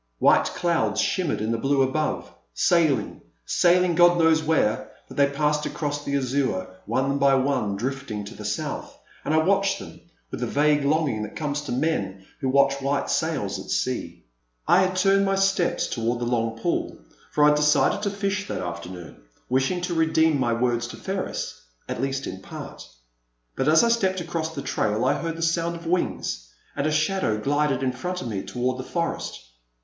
White clouds shimmered in the blue above, sailing, sailing God knows where, but they passed across the azure, one by one, drifting to the south, and I watched them with the vague longing that comes to men who watch white sails at sea. no The Silent Land. I had turned my steps toward the long pool, for I had decided to fish that afternoon, wishing to redeem my words to Ferris — at least in part ; but as I stepped across the trail I heard the sound of wings, and a shadow glided in front of me toward the forest.